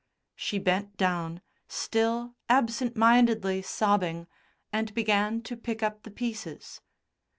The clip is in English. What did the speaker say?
She bent down still absent mindedly sobbing and began to pick up the pieces.